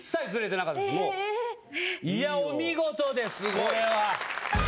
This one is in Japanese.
いやお見事ですこれは。